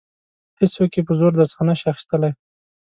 هیڅوک یې په زور درڅخه نشي اخیستلای.